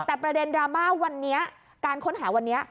แต่ประเด็นดราม่าวันนี้การค้นหาวันนี้